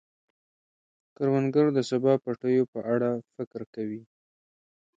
کروندګر د سبا د پټیو په اړه فکر کوي